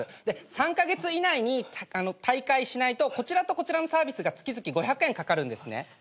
で３カ月以内に退会しないとこちらとこちらのサービスが月々５００円かかるんですね。